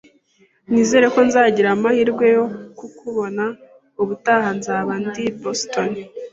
Nizere ko nzagira amahirwe yo kukubona ubutaha nzaba ndi i Boston